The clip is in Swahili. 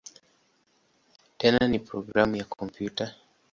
Tena ni programu ya kompyuta.